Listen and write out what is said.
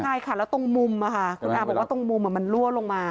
ใช่ค่ะแล้วตรงมุมคุณอาบอกว่าตรงมุมมันรั่วลงมา